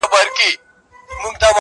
• آصل سړی یمه له شماره وځم,